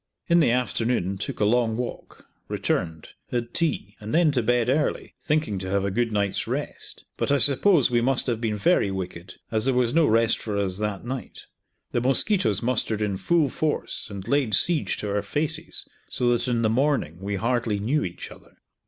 In the afternoon took a long walk, returned, had tea, and then to bed early, thinking to have a good night's rest, but I suppose we must have been very wicked, as there was no rest for us that night. The mosquitoes mustered in full force and laid siege to our faces, so that in the morning we hardly knew each other.